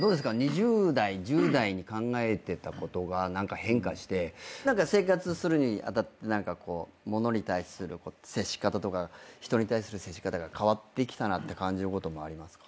２０代１０代に考えてたことが何か変化して生活するにあたってものに対する接し方とか人に対する接し方が変わってきたなって感じることもありますか？